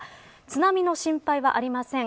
津波の心配はありません。